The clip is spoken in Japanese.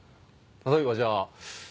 例えばじゃあ。